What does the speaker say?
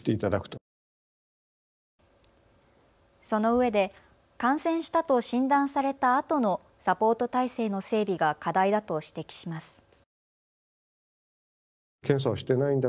そのうえで感染したと診断されたあとのサポート体制の整備が課題だと指摘します。